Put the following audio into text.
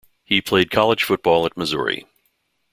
He played college football at Missouri.